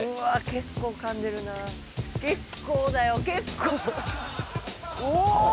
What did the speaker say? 結構噛んでるな結構だよ結構おおっ！